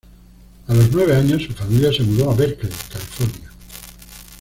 A los nueve años, su familia se mudó a Berkeley, California.